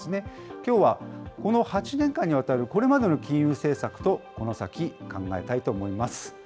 きょうはこの８年間にわたるこれまでの金融政策と、この先、考えたいと思います。